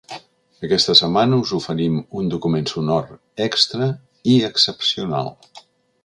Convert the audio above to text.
Aquesta setmana us oferim un document sonor extra i excepcional.